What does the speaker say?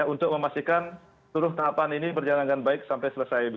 untuk memastikan seluruh tahapan ini berjalan dengan baik sampai selesai